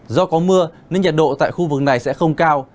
do có mưa nên nhiệt độ tại khu vực này sẽ không cao